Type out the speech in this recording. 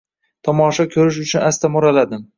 Tomosha ko‘rish uchun asta mo‘raladim.